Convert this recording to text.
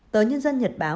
tờ nhân dân nhật báo